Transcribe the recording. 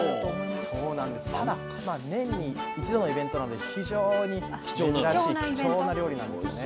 ただ年に一度のイベントなので非常に珍しい貴重な料理なんですよね。